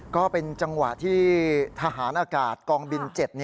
ก็เป็นจังหวะที่ทหารอากาศกองบิน๗